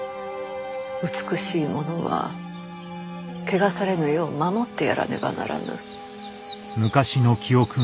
美しいものは汚されぬよう守ってやらねばならぬ。